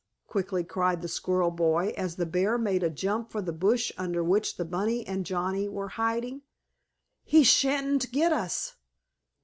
quickly cried the squirrel boy, as the bear made a jump for the bush under which the bunny and Johnnie were hiding. "He sha'n't get us!"